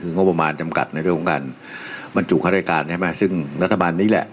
นี่คืองโมมารจำกัดในเรื่องของการบรรจุฆภัณฑ์ไอ้การใช่ป่ะซึ่งรัฐบาลนี้แหละ